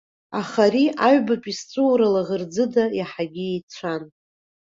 Аха ари, аҩбатәи сҵәыуара лаӷырӡыда, иаҳагьы еицәан.